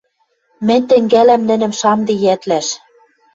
Мӹнь тӹнгӓлӓм нӹнӹм шамде йӓтлӓш